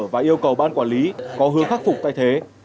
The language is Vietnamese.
và yêu cầu ban quản lý có hứa khắc phục tay thế